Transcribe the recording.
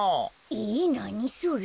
えなにそれ？